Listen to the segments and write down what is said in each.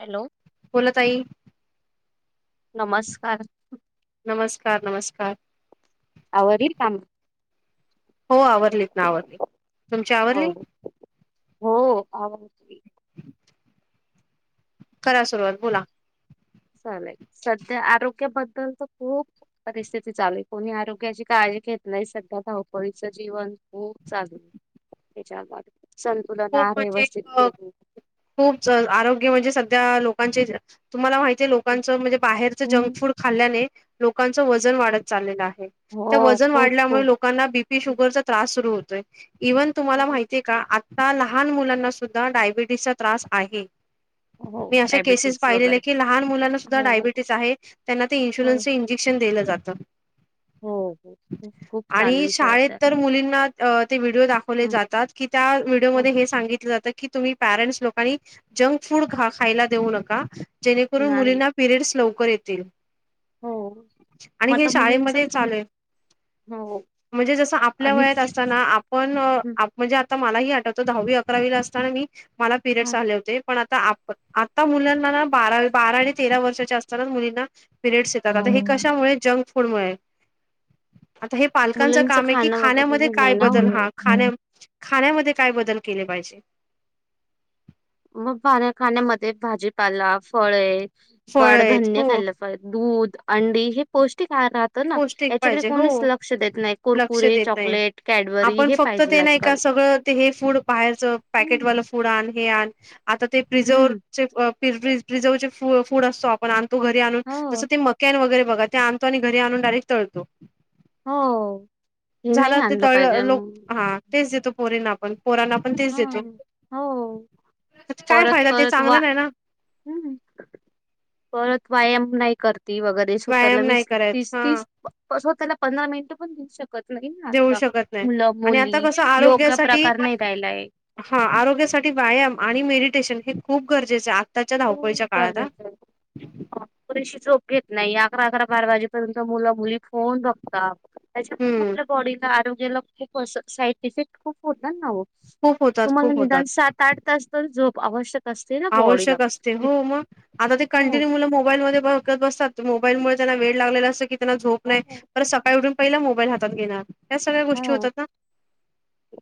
Hello... बोला ताई..... नमस्कार..... नमस्कार नमस्कार.... अर का.... हो आवरलीत ना आवरली तुमची आवरली? हो हो आवरलं कि करा सुरुवात बोला चालेल सध्या आरोग्याबद्दल तर खूप परिस्थितीचं आलंय कोणी आरोग्याची काळजी घेत नाही सध्या धावपळीचं जीवन खूप चालू आहे ते च चल [inaudible] खूप म्हणजे अ खूप आरोग्य म्हणजे सध्या लोकांचे तुम्हाला माहितीये लोकांचं म्हणजे बाहेरच हम्म. जंक फूड खाल्ल्याने लोकांच वजन वजन वाढत चाल आहे हो वजन खूप वाढल्यामुळे लोकांना खूप लोकांना बीपी शुगरचा त्रास सुर होतोय इव्हन तुम्हाला माहिय का? आता लहान मुलांना सुद्धा डायबिटीसचा त्रास आहे. हो मी असे केसेस डायबिटीज पाहिलेले वगैरे की लहान मुलांना सुद्धा हो डायबिटीस आहे. त्यांना ते हो इन्शुलन्सचचे इंजेक्शन दिलं जातं. हो हो खूप खूप चालू आणि आहे शाळेत सध्या तर मुलींना ते व्हिडिओ दाखवले हं, जातात की त्या व्हिडिओ हं. मध्ये हे सांगितल जात की तुम्ही पेरेंट्स लोकांनी जंक फूड खायला देऊ नका जेणेकरून नाही मुलींना पिरियड्स लवकर येतील हो आणि मग हे आता मुलींच शाळेमध्ये पण चालूय हो म्हणजे जस आपल्या आणि वयात अस पण आपण म्हणजे आता मलाही आठवतो दहावी अकरावीला असताना मी मला पिरिडस आले होते पण आता आता मुलांना ना बारा बारा आणि तेरा वर्षाच्या असताना मुलींना पिरयड्स येतात आता हे कशामुळे जंक फूडमुळे आता हे पालकांच मुलींच काम आहे की खाणं खाण्यामध्ये वगैरे नाही काय ना बदल हा खाण्या होत. खाण्यामध्ये काय बदल केले पाहिजे मग पाण्या खाण्यामध्ये भाजीपाला फळे फळ आहेत कडधान्य हो खायला दूध अंडी हे पौष्टिक आहार तर ना पौष्टिक याच्याकडे पाहिजे हो कोणीच लक्ष देत नाही लक्ष कुरकुरे देत नाही चॉकलेट कॅडबरी आपण हे फक्त पाहिजे ते नाही का आजकाल सगळं ते हे फूड बाहेरचं हम्म. पॅकेटवालं फूड आण हे आण आता ते हम्म प्रिझर्वचे प्रिझर्वचे फूड असतो पण आणतो घरी आणून हो. जसं ते मक्यान वगैरे बघा ते आणतो आणि घरी आणून डायरेक्ट तळतो हो. हे नाही झालं ते आणलं पाहिजे. तळलं लोक हम्म. हा तेच देतो पोरींना आपण पोरांना पण तेच देतो हा. हो. काय परत फायदा ते परत चांगला वा नाही ना हम्म परत व्यायाम नाही करती वगैरे ते स्वतःला व्यायाम नाही वीस करत तीस, हा तीस स्वतःला पंधरा मिनटं पण देऊ शकत नाही ना देऊ आता शकत नाही मुलं आणि मुली आता कसं योग्य आरोग्यासाठी प्रकार नाही राहीलाय- हा आरोग्यासाठी व्यायाम आणि मेडिटेशन हे खूप गरजेचे हो बरोबर पुरेशी झोप घेत नाही अकरा अकरा बारा वाजेपर्यंत मुला मुली फोन बघता त्याच्यातुन हम्म आपल्या बॉडीला आरोग्याला खूप असं साईड इफेक्ट खूप होतात ना? खूप होतात तुम्हाला खूप होतात निदान सात आठ तास तर झोप आवश्यक असते ना बॉडीला लागते ते हो मग आता ते कॉन्टीनुए मुलं मोबाईल बघत बसतात मोबाईलमुळे त्याना वेड लागलेला असं क त्यांना झोप नाही हो परत सकाळी उठून पहिला मोबाईल हातात घेणार या सगळ्या गोष्टी हो. होतात ना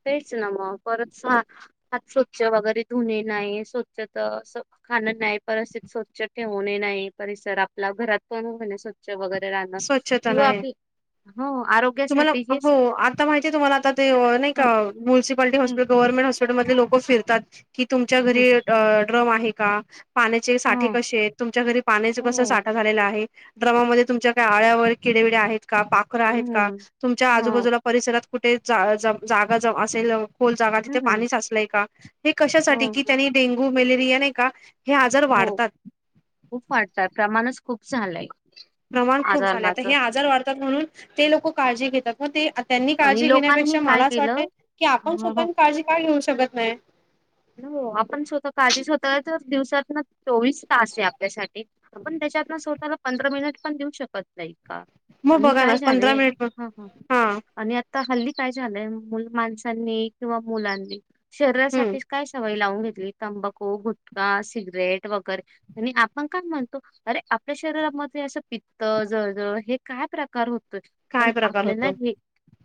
तेच ना मग परत हात स्वच्छ वगैरे धुणे नाही स्वच्छ तर असं खाणं नाही परिसर स्वच्छ ठेवणे नाही परिसर आपला घरात पण होणे स्वच्छ वगैरे राहणं स्वच्छता किंवा नाही आपली हो तुम्हाला आरोग्यासाठी हे हो आता माहिती तुम्हाला आता ते नाही का म्युलसिपालटी ह हॉस्पिटल गव्हर्मेंट हॉस्पिटल मधले लोक फिरतात कि तुमच्या घरी ड्रम आहे का पाण्याचे साठे ह कसे आहेत तुमच्या घरी पाण्याचे कसा हो साठा झालेला आहे ड्रमामध्ये तुमच्या आळ्यावर किडेबिडे आहेत का पाखर आहेत का हम्म तुमच्या हो आजूबाजूला परिसरात कुठे जागा ज असेल खोल जागा तिथे हम्म पाणी साचलंय का? हे हो कशासाठी की त्यांनी डेंगू मलेरिया नाही का हे आजार हो वाढतात खूप वाढताय प्रमाणच खूप झालंय प्रमाण खूप झाले तर हे आजारणाचं आजार वाढतात म्हणून ते लोक काळजी घेतात मग ते त्यांनी आणि काळजी लोकांनी घेण्यापेक्षा काय मला असं केलं वाटत की आपण हं, स्वतः हं. काळजी काय घेऊ शकत नाही हो आपण स्वतः काळजी स्वतः तर दिवसात ना चोवीस तास आहे आपल्यासाठी आपण त्याच्यात स्वतःला पंधरा मिनिट पण देऊ शकत नाही का मग आणि बघा ना काय झाले पंधरा मिनिट ह ह हा आणि आता आता हल्ली काय झालंय मुल माणसांनी किंवा मुलांनी शरीरासाठी हम्म सवय लावून घेतली तंबाकू गुटखा सिगरेट वगैरे आणि आपण काय म्हणतो अरे आपल्या शरीरामध्ये असं पित्त जळजळ हे काय प्रकार होतोय पण काय प्रकार आपल्याला होतो हे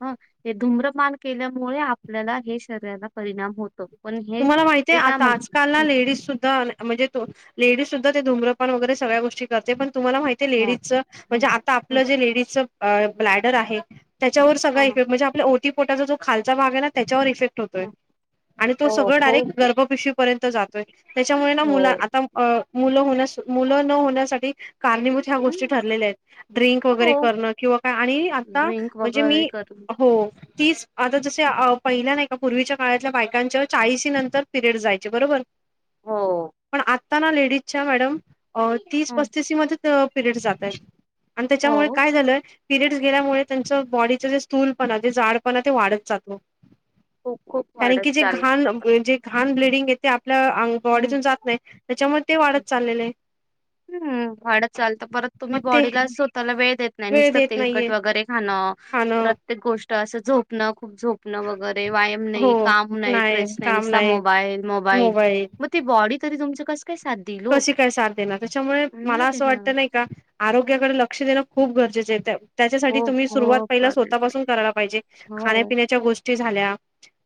ह ते धूम्रपन केल्यामुळे आपल्याला हे शरीराला परिणाम होतो पण हे तुम्हाला माहतीय ते काय आता आजकालला म्हणतात ना लेडीज सुद्धा म्हणजे तो लेडीज सुद्धा ते धम्रपान वगरे सगळ्या गोष्टी ते पण तुम्हाला माहिती ह लेडीज ह म्हणजे आता आपलं जे लेडीजच ब्लॅडर आहे त्याच्यावर सगळा ह इफेक्ट म्हणजे आपल्याओटी पोटाचा जो खाल भाग आहे ना त्याच्यावर इफेक्ट होतोय आणि तो हो सगळं डायरेक्ट खूप खूप. गर्भपिशीवी पर्यंत जातोय त्याच्यामुळे ना मुला हो आता अ मुलं होण्यास मुलं न होण्यासाठी कारणीभूत ह्या हं, गोष्टी ठरलेल्या आहेत ड्रिंक वगैरे हो करणं किंवा काय आणि आता ड्रिंक म्हणजे वगैरे मी करून हो तीस आता जसे पहिल्या नाही का पूर्वीच्या काळातल्या बायकांच्या चाळीस नंतर पिरियड जायचे बरोबर हो पण आता ना लेडीजच्या मॅडम तीस हं. पस्तीस मध्ये परियड जाताय आणि त्याच्यामुळे हो काय झालंय पिरियडस गेल्यामुळे त्यांच बॉडीचे तूल पण जे जाड पण ते वाढत जातो खूप खूप कारण की वाढत जे चालाय घाण जे घाण ब्लडिंग येते आपल्या अ हम्म बॉडीतून जात नाही त्याच्यामुळे ते हं. वाढत चाललेले आहे हम्म वाडत चालत परत तुम्ही मग ते बॉडीला स्वतःला वेळ देत नाही निसत तेलकट वगैरे खाणं हॅलो प्रत्येक गोष्ट असं झोपणं खूप झोप नवघर आहे व्यायाम हो नाही काम नाही ट्रेस नाही निसता मोबाईल मोबाईल मग ती बॉडी तरी तुमची कस काय सात देते कशी काय साथ देणार त्याच्यामुळे मला आहे असं ना. वाटत नाही का आरोग्याकडे लक्ष देणे खूप गरजेच त्याच्यासाठी हो तुम्ही सुरुवात हो पहिला करेल, करेल. स्वःपासून करायला पाहिजे हो खाण्यापिण्याच्या गोष्टी झाल्या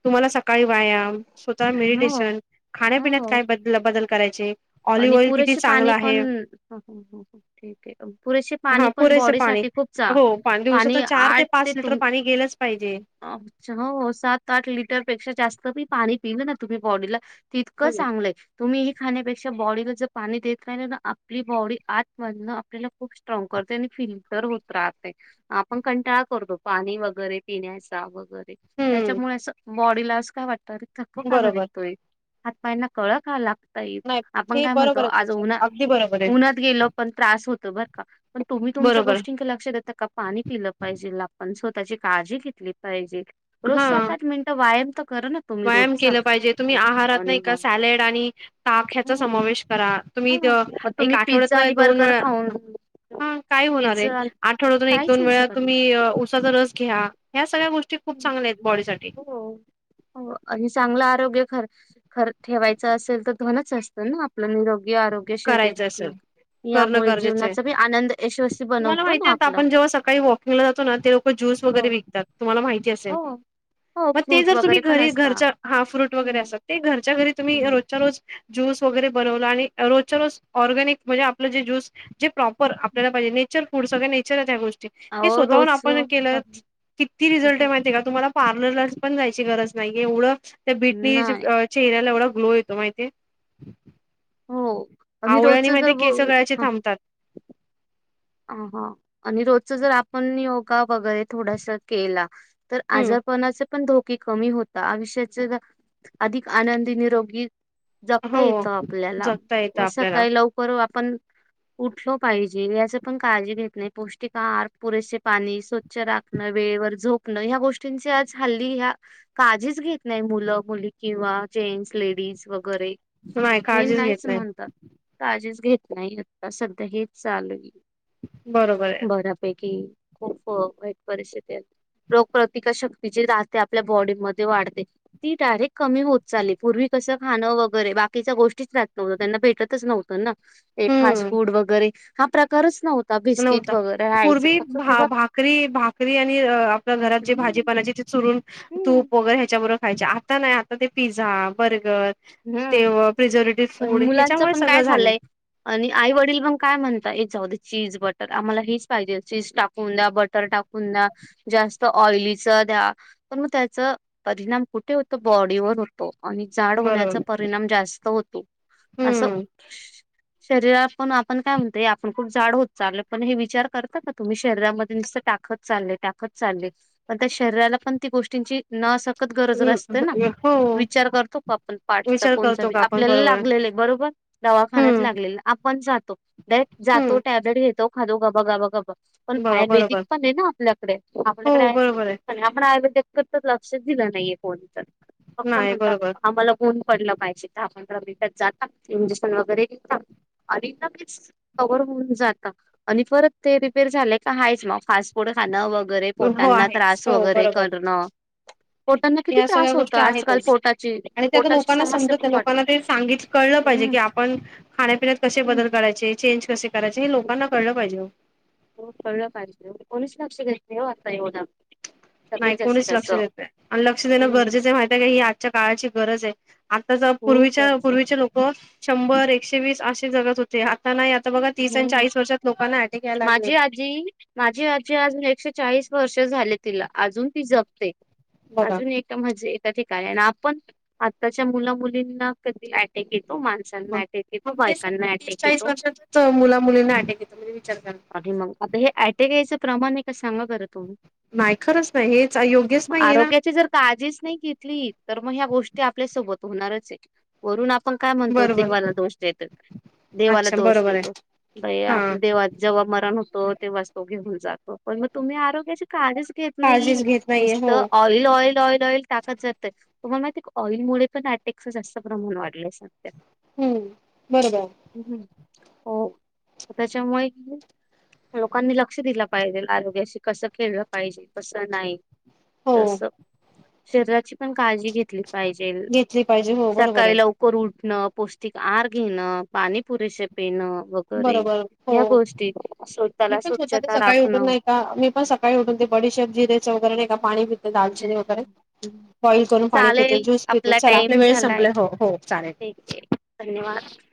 तुम्हाला सकाळी वायाम स्वतः हो मेडिटेशन खाण्यापिण्यात हो. काय बदल बदल करायचे आणि ऑलिव्ह ऑइल किती पुरेसे चांगलं पाणी पण आहे ह ह ह ठीक आहे पुरेसे हा पाणी पण पुरेसे बॉडी पाणी साठी खूप चा हो पाच दिवसाात पाणी चार ते पाच लिटर पाणी गेलंच पाहिजे अच्छाव सात आठ लिटरपेक्षा जास्त बी पाणी पिलं ना तुम्ही बॉडीला तितकं हम्म चांगलंय तुम्ही खाण्यापेक्षा बॉडीला जर पाणी देतराहीलन ना आपली बॉडी आत मधण आपल्याला खूप काम करते आणि फिल्टर होत राहते आपण कंटाळा करतो पाणी वगैरे पिण्याचा वगैरे हम्म त्याच्यामुळे असं बॉडी लॉस काय वाटत थकवा का बरं बरोबर निघतोय हातपायांना कळा का लागता येत नाही आपण हे काय म्हणतो बरोबर आहे आज तुमचं उन्हा अगदी बरोबर आहे उन्हात गेलो पण त्रास होत बर का पण तुम्ही तुमच्या बरोबर गोष्टीं लक्षात का पाणी पिलं पाहिजे आपण स्वतःची काळजी घेतली पाहिजेत रोज हा सात आठ मिनटं व्यायाम त कर नात व्यायाम केलं पाहिजे तुम्ही आहारात नाही का मग सॅलेड आणि ताकख्याचा हं समावेश करा तुम्ही द हां अ मग एक तुम्ही पिझ्झा आणि आठवड्यात दोन बर्गर वेळा खाऊन हम हा काय होणार आहे पिझ्झा आणि आठवड्यातून एक काहीच दोन होऊ वेळा शकत नाही. तुम्ही उसाचा रस घ्या ह्या सगळ्या गोष्टी खूप चांगल्या आहेत बॉडी साठी हो हो आणि चांगलं आरोग्य खर खर ठेवायचं असेल तर धनच असतं ना आपल निरोगी आरोग्य शरीर करण यामुळे गरजेच ये जीवनाचा बी आनंद यशस्वी तुम्हाला बनवतो ना माहितीय आता आपला. आपण जेव्हा सकाळी वॉकिंगला जातो ना ते ज्यूस वगैरे हो विकतात तुम्हाला माहिती असेल. हो. हो मग ते फ्रूट जर तुम्ही वगैरे पण घरी असता घरच्या हा फ्रूट वगैरे हम्म असल ते घरच्या घरी तुम्ही हम्म. रोजच्या रोज ज्यूस वगैरे बनवल आणि रोजच्या रोज ऑर्गॅनिक म्हणजे आपल जे ज्यूस जे प्रॉपर आपल्याला पाहिजे नेचर फूड सगळ्या नेचरच्या्या गोष्टी ते अहो स्वतःहून रोज आपण केलं किती रिझल्ट माहिती ये का तुम्हाला पार्लरला पण जायची गरज नाही एवढ त्या बीटनी जे नाही चेहऱ्याला एवढा ग्लो येतो माहितीेये? हो आणि रोजच जर ब केस गळायचे थांबतात. अ हा आणि रोजच जर आपण योगा वगैरे थोडासा केला तर हम्म आजारपणाचे पण धोके कमी होता आयुष्याचे अधिक आनंदी निरोगी जपता हो येत आपल्याला जगता येतं व आपल्याला सकाळी लवक आपण उठलो पाहिजे या पण काळजी घेत नायी पौष्टिक आहार पुरेसे पाणी स्वच्छ राखण वेळेवर झोप ह्या गोष्टींची आज हल्ली ह्या काळजीच घेत नाही मुलं मुली किंवा जेंट्स लेडीज वगैरे नाही हे काळजीच घेत नाहीच नाही. म्हणतात काळजीच घेत नाही आता सध्या हेच चालू बरोबर आहे. बऱयापैकी ई खूप अ वाईट परिस्थिती आहेत रोगप्रतिकारशक्ती जी राहते आपल्या बॉडीमध्ये वाढते ती डायरेक्ट कमी होत चाली पूर्वी कसं खाणं वगैरे बाकीच्या गोष्टीच राहत नव्हतं त्यांना भेटतच नव्हतं ना ते फास्ट हम्म फूड वगैरे हा प्रकारच नव्हता बिस्किट नव्हता. वगेरे पूर्वी भा भाकरी भाकरी आणि आपल्या घरात जे भाजी हम्म बनायची ते चुरून हम्म तूप वगैरे ह्याच्याबरोबर खायचे आता नायी आता ते पिझ्झा बर्गर हम्म. तेव प्रिझर्वेटिव पण फूड मुलांच ह्याच्यामुळे पण काय सगळ झाल झालंय आणि आई वडील पण काय म्हणत ये जाऊदे चीज बटर आम्हाला हेच पाइजे चीज टाकून द्या बटर टाकून द्या जास्त ऑइलीच द्या. पण मग त्याच परिणाम कुठे होतो? बॉडीवर हो? आणि जाड होण्याचा बरोबर परिणाम जास्त होतो अस हम्म. शरीरात पण आपण काय म्हणतय आपण खूप जाड होत चालले पण हे विचार करत का तुम्ही शरीरामध्ये निस्ते टाकत चालले टाकत चालले पण त्या शरीराला पण ती गोष्टींची न सकत गरज असते ना हं, हो विचार करतो आपण? पाठचा विचार कोणचा करतो बी का आपण आपल्याला बरोबर आहे. लागलेल ये बरोबर? दवाखान्यात हम्म लागलेल आपण जातो दट जातो हम्म टॅब्लेट घेतो खाधो गबा गा ब गबा पण बघा आयुर्वेदिक बरोबर पण ये ना आपल्याकडे, आपल्याकडे हो बरोबर आहे. आयुर्वेदिक आपण आयुवेदा लक्ष दिल नाहीे कोणी पण फक्त नाही म्हणत बरोबर आम्हाला [unintelligible] पडल पाहिजे तर आपण दहा पंधरा मिनटात जाता इंजेक्शन वगैरे घेता आणि लगेच कवर होऊन जात आणि परत ते रिपेर झालेय का हाच म फास्ट पुढ खाणं वगैरे हो पोटांना आहेच त्रास हो वगैरे बरोबर. करण पोटांना किती या सगळ्या त्रास होत गोष्टी आजकाल आहेतच. पोटाची आणि ते आता पोटाची लोकांना समस्या समजत खूप वाढली. लोकांना ते सांगित कळलं पाहिजे हम्म. की आपण खाण्यापण्यात कशे बदल हम्म. कराय चेंज कसे करायचे हे लोकांना कळलं पाहिजे हो कळल पाईजे, कोणीस लक्ष घेत नयी ओ अता येवद नाही कोणीच लक्ष देत नाय आणि लक्ष देण हम्म. गरजेच माहित आहे का ही आजच्या काळाची गरज ये आता खूप पूर्वीच्या गरज आहे. पूर्वीचे लोक शंभर एकशे वीस असे जगात होते ते आता नाही आता बघा तीस आणि चाळीस वर्षात लोकांना ऍटक याय लागले जी माझी आजी अजून एकशे चाळीस वर्ष झाले तिला अजून ती जपते बघा अजून एक म्हणजे ए ठिकाणी आणि आपण आताच्या मुला मुलींना कधी अटॅक येतो मा मग टेक तो मग तेच बायकांना सांगते तीस अटॅक चाळीस येतो वर्षातच मुला मुलींना अटक येत म्हणजे विचार कर आणि मग आता हे टेक यायचं प्रमाण आहे का सांगा बरं तुम्ही नाही खरंच नाही हेच योग्यच नाहीये ना ताजीच नाही घेतली तर मग ह्या गोष्टी आपल्यासोबत होणारच आहेत वरून आपण काय म्हणतो बरोबर देवाला दोष देत देवाला अच्छा दोष बरोबर आहे देतो हा आपल्या देवा जेव्हा मरण होतो तेव्हा तो घेऊन जातो पण मग तुम्ही आरोग्याचे काळेच त नाही काळजीच घेत नाहीये नुसत हो ऑइल ऑइल ऑइल ऑइल टाकत जातय त्हा माहि ऑइल मु पण अटेक्च जास्त प्रमाण वाढलं हम्म बरोबर हम् हम हो त्याच्यामुळे लोकांनी लक्ष दिलं पाहिजे आरोग्याशी कसं खेळलं पाहिजे कसं नाही तस हो शरीराची पण काळजी घेतली पाहिजे घेतली पाहिजे हो बरोबर आहे. सकाळी उठण पौष्टिक आआर घेण पाणी पुरेसे पेण व वेगेरे बरोबर हो. या गोष्टी मी स्वतःला पण स्वतः ते स्वच्छता सकाळी राखण उठून नाही का मी पण सकाळी उठून ते बडीशेप जिरेच वगैरे नाही का पाणी हम दालचिनी वगैरे हम बॉईल करून पाणी पिते चालेल ज्यूस पिते आपला चला टाईम वेळ झालाय संपलाय हो हो चालेल. ठीक ये धन्यवाद.